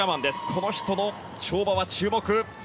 この人の跳馬、注目。